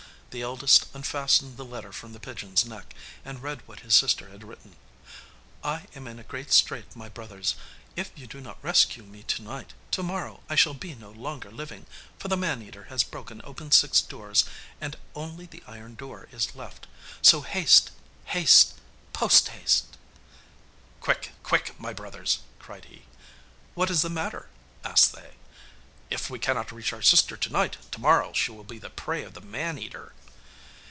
The eldest unfastened the letter from the pigeon's neck, and read what his sister had written: 'I am in a great strait, my brothers. If you do not rescue me to night, to morrow I shall be no longer living, for the man eater has broken open six doors, and only the iron door is left. So haste, haste, post haste.' 'Quick, quick! my brothers,' cried he. 'What is the matter?' asked they. 'If we cannot reach our sister to night, to morrow she will be the prey of the man eater.